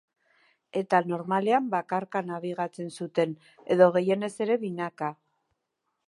Eta normalean bakarka nabigatzen zuten, edo gehienez ere binaka.